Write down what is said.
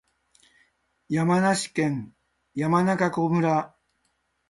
山梨県山中湖村